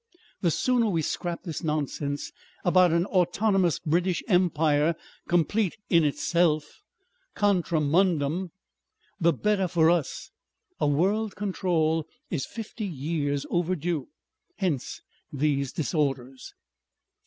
The sooner we scrap this nonsense about an autonomous British Empire complete in itself, contra mundum, the better for us. A world control is fifty years overdue. Hence these disorders."